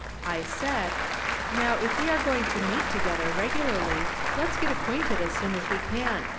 I said :" Now, if we are going to meet together regu larly, let's get acquainted as soon as we can.